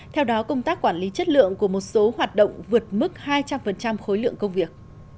theo đó công tác quản lý chất lượng của một số hoạt động vượt mức hai trăm linh khối lượng công việc